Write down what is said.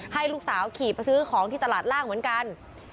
ให้ลูกสาวขี่ไปซื้อของที่ตลาดล่างเหมือนกัน